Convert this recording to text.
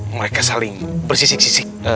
mereka saling bersisik sisik